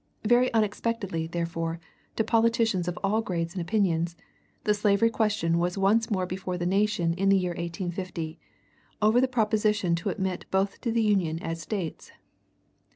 Very unexpectedly, therefore, to politicians of all grades and opinions, the slavery question was once more before the nation in the year 1850, over the proposition to admit both to the Union as States.